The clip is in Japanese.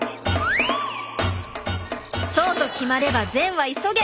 そうと決まれば善は急げ！